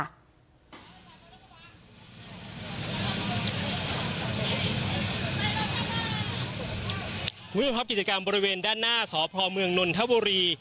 คุณผู้ชมครับกิจกรรมบริเวณด้านหน้าสพเมืองนนทบุรี